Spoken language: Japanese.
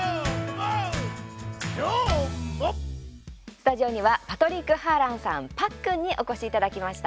スタジオにはパトリック・ハーランさんパックンにお越しいただきました。